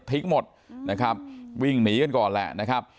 หมดนะครับวิ่งหนีกันก่อนแหละนะครับ